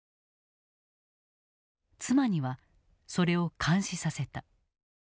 妻にはそれを監視させた。